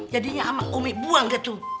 jadinya sama umi buang gitu